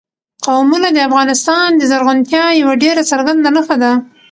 قومونه د افغانستان د زرغونتیا یوه ډېره څرګنده نښه ده.